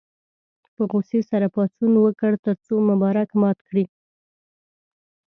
په غوسې سره پاڅون وکړ تر څو مبارک مات کړي.